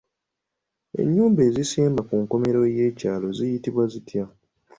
Enyumba ezisemba ku nkomerero y'ekyalo ziyitibwa zitya?